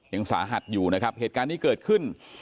ยังสาหัสอยู่นะครับเหตุการณ์นี้เกิดขึ้น